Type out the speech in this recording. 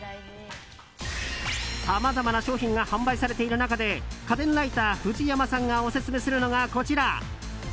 さまざまな商品が販売されている中で家電ライター藤山さんがオススメするのがこちら。